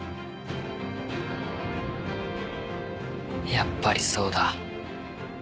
やっぱりそうだ。